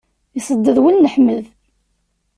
Iṣedded wul n Ḥmed.